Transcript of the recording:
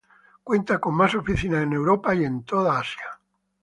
Cuenta con más oficinas en Europa y en toda Asia.